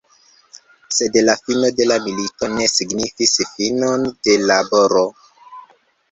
Sed la fino de la milito ne signifis finon de laboro.